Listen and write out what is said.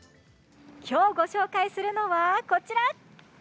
きょうご紹介するのはこちら。